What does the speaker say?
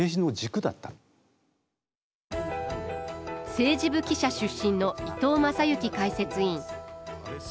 政治部記者出身の伊藤雅之解説委員。